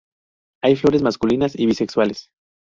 Hay flores masculinas y bisexuales.